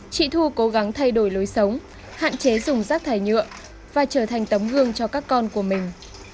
chị thu cố gắng thay đổi lối sống hạn chế dùng rác thải nhựa và trở thành tấm gương cho các con của mình